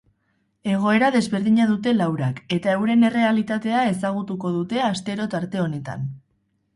Egoera desberdina dute laurak eta euren errealitatea ezagutuko dute astero tarte honetan.